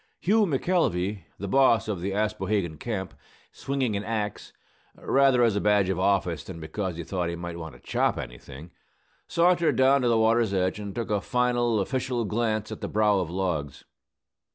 Hughey McElvey, the boss of the Aspohegan camp, swinging an axe (rather as a badge of office than because he thought he might want to chop anything), sauntered down to the water's edge and took a final official glance at the brow of logs.